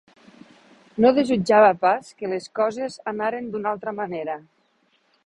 No desitjava pas que les coses anaren d'una altra manera.